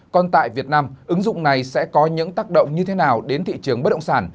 còn tại việt nam ứng dụng này sẽ có những tác động như thế nào đến thị trường bất động sản